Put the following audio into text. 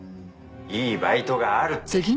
いいバイトがあるって。